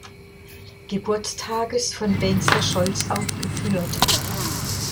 Geburtstages von Wenzel Scholz aufgeführt.